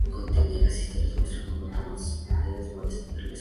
La historia muestra cómo toman sus oportunidades, Modesto se relaciona con el Lic.